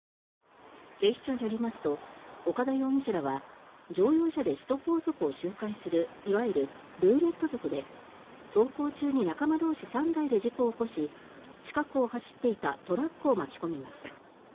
警視庁によりますと岡田容疑者らは乗用車で首都高速を周回するいわゆるルーレット族で走行中に仲間同士３台で事故を起こし近くを走っていたトラックを巻き込みました。